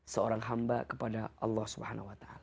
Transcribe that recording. seorang hamba kepada allah swt